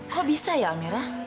kok bisa ya amira